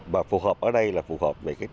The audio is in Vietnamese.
và phù hợp ở đây là phù hợp với từng mùa vụ